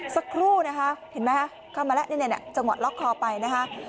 สักครู่ที่เข้ามาแล้วนี้จังหวัดล็อกคอไปนะฮะ